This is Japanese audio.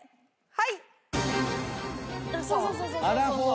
はい！